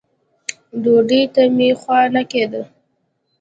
ډوډۍ ته مې خوا نه کېده.